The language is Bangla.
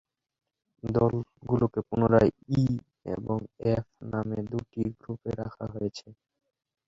দলগুলোকে পুনরায় "ই" এবং "এফ" নামে দু'টি গ্রুপে রাখা হয়েছে।